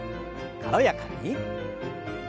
軽やかに。